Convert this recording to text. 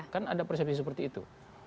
kan ada persepsi seperti itu